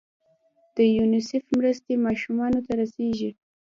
د یونیسف مرستې ماشومانو ته رسیږي؟